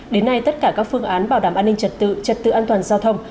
đến nay tất cả các phương án bảo đảm an ninh trật tự trật tự an toàn giao thông